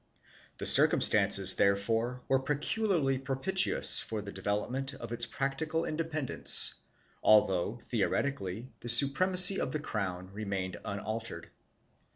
The circumstances therefore were peculiarly propitious for the development of its practical inde pendence, although theoretically the supremacy of the crown remained unaltered.